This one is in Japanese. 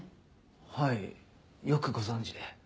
はいよくご存じで。